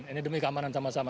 ini demi keamanan sama sama